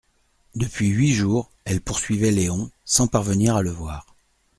Depuis huit jours, elle poursuivait Léon, sans parvenir à le voir.